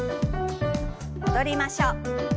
戻りましょう。